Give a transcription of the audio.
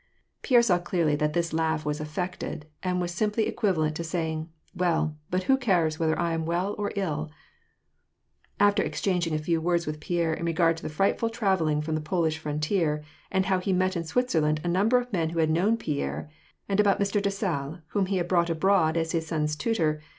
Pierre saw clearly that this laugh was affected, and was simply equivalent to saying, " Well, but who cares whether I am well, or ill ?" After exchanging a few words with Pierre in regard to the frightful travelling from the Polish frontier, and how he met in Switzerland a number of men who had known Pierre, and about Mr. Dessalles, whom he had brought from abroad as his son's tutor.